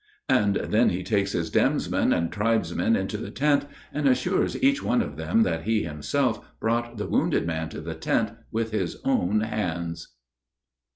And then he takes his demesmen and tribesmen into the tent, and assures each one of them that he himself brought the wounded man to the tent with his own hands.